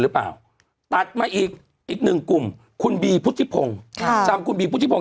หรือเปล่าตัดมาอีกหนึ่งกลุ่มคุณบีพุทธิพงศ์จำคุณบีพุทธิพงศ